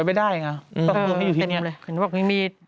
ก็ไม่คิดว่ามันจะแล้วกัน